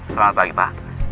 selamat pagi pak